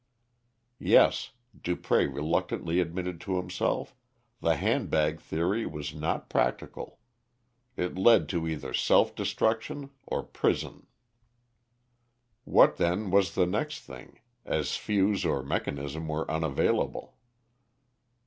Yes, Dupré reluctantly admitted to himself, the handbag theory was not practical. It led to either self destruction or prison. What then was the next thing, as fuse or mechanism were unavailable?